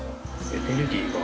エネルギーが。